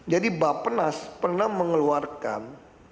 jadi bapnas pernah mengeluarkan